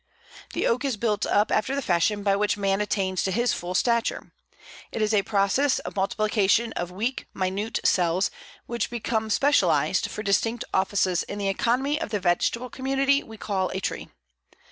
The Oak is built up after the fashion by which man attains to his full stature. It is a process of multiplication of weak, minute cells, which become specialized for distinct offices in the economy of the vegetable community we call a tree.